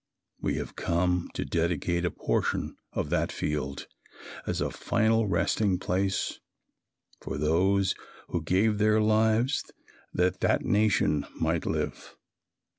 We have come to dedicate a portion of that field as a final resting place for those who gave their lives that that nation might live.